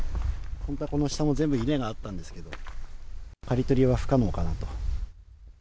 本当はこの下も全部稲があったんですけど、刈り取りは不可能かな